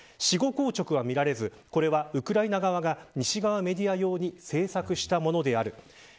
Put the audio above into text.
死後硬直は見られずこれはウクライナ側が西側メディア用に制作したものである。